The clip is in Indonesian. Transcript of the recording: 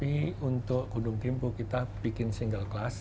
ini untuk gunung dempo kita bikin single class